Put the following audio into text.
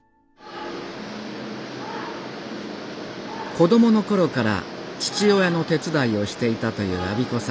子供の頃から父親の手伝いをしていたという安孫子さん。